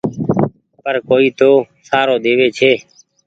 پر ڪوئي تو کآرو ۮيوي ڇي۔